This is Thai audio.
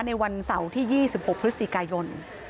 ในวันเสาร์ที่๒๖พฤศจิกายน